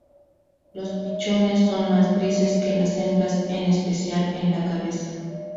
Los pichones son más grises que las hembras, en especial en la cabeza.